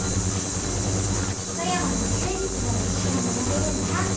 富山のチューリップの歴史が学べるんだ！